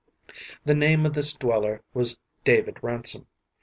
The name of this dweller was David Ransom.